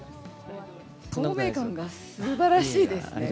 透明感がすばらしいですね。